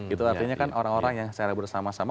itu artinya kan orang orang yang secara bersama sama